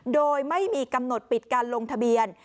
โดยไม่มีกำหนดปิดการลงทะเบียน